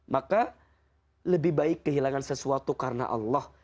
maka lebih baik kehilangan sesuatu karena allah